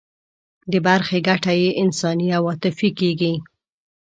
د برخې ګټه یې انساني او عاطفي کېږي.